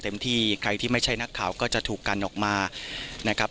ที่ใครที่ไม่ใช่นักข่าวก็จะถูกกันออกมานะครับ